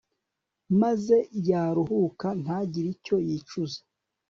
maze yaruhuka, ntagire icyo yicuza